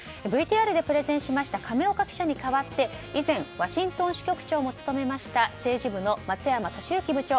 ＶＴＲでプレゼンしました亀岡記者に代わって以前、ワシントン支局長も務めました政治部の松山俊行部長